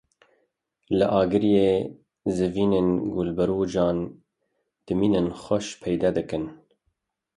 Li Agiriyê zeviyên gulberojan dîmenên xweş peyda dikin.